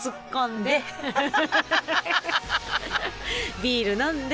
ビール飲んで。